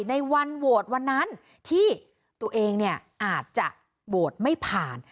ในวันโหวตวันนั้นที่ตัวเองเนี่ยอาจจะโหวตไม่ผ่าน